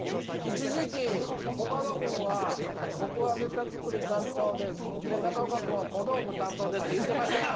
一時期コカド君は「僕はネタ作り担当ですで中岡君は小道具担当です」って言ってました！